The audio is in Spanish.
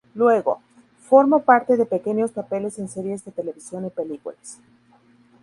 Luego, formo parte de pequeños papeles en series de televisión y películas.